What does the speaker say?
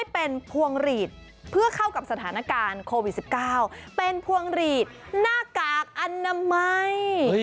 เป็นพวงหรีดหน้ากากอนามัย